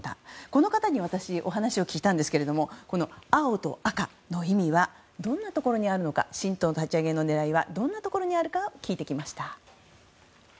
この方に私はお話を聞いたんですけどもこの青と赤の意味はどんなところにあるのか新党立ち上げの狙いがどんなところにあるのか聞いてきました。